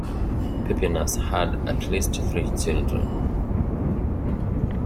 Pupienus had at least three children.